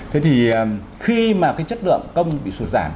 thế thì khi mà cái chất lượng công bị sụt giảm